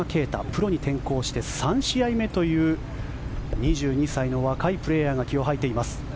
プロに転向して３試合目という２２歳の若いプレーヤーが気を吐いています。